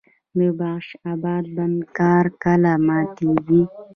د بخش اباد بند کار کله ماتیږي؟